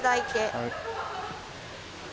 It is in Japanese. はい。